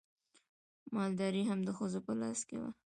مالداري هم د ښځو په لاس کې وه.